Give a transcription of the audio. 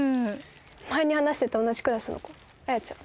前に話してた同じクラスの子彩ちゃん